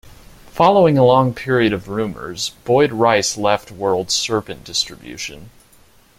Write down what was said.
Following a long period of rumours, Boyd Rice left World Serpent Distribution.